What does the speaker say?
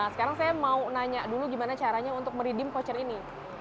sekarang saya mau nanya dulu gimana caranya untuk meridim voucher ini